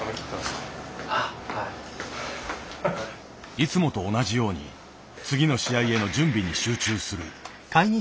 いつもと同じように次の試合への準備に集中する。